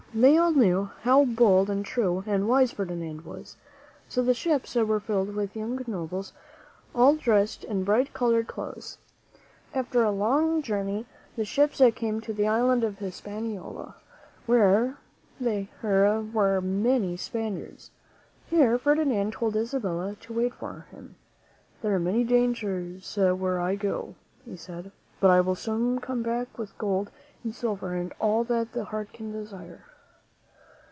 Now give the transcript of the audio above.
They all knew how bold and true and wise Fer dinand was; so the ships were filled with young nobles, all dressed in bright colored clothes. After a long journey, the ships came to the island of Hispaniola, where there were many Spaniards. Here Ferdinand told Isabella to wait for him. "There are many dangers where I go," he said; " but soon I will come back with gold and silver and all that the heart can desire."